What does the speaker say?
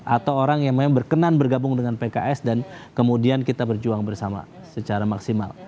atau orang yang memang berkenan bergabung dengan pks dan kemudian kita berjuang bersama secara maksimal